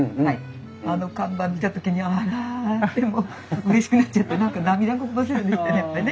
あの看板見た時には「あら」ってもううれしくなっちゃって何か涙ぐませるよねやっぱね。